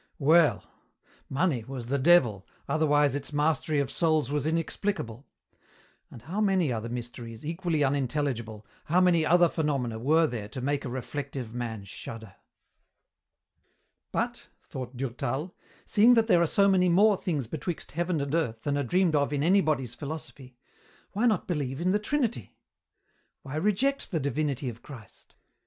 Well! money was the devil, otherwise its mastery of souls was inexplicable. And how many other mysteries, equally unintelligible, how many other phenomena were there to make a reflective man shudder! "But," thought Durtal, "seeing that there are so many more things betwixt heaven and earth than are dreamed of in anybody's philosophy, why not believe in the Trinity? Why reject the divinity of Christ?